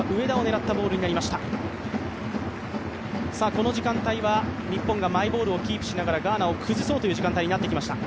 この時間帯は日本がマイボールをキープしながらガーナを崩そうという時間帯になってきました。